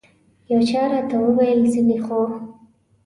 یو چا راته وویل ځینې خو.